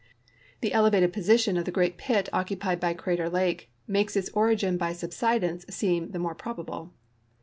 The elevated position of the great pit occupied by Crater lake makes its origin by subsidence seem the more probable.